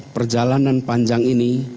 perjalanan panjang ini